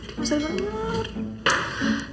jadi besar banget